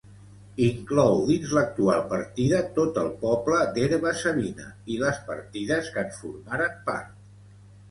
Inclou dins l'actual partida tot el poble d'Herba-savina i les partides que en formaren part.